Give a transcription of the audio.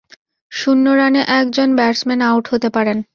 শূন্য রানে একজন ব্যাটসম্যান আউট হতে পারেন।